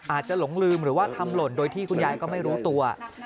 หลงลืมหรือว่าทำหล่นโดยที่คุณยายก็ไม่รู้ตัว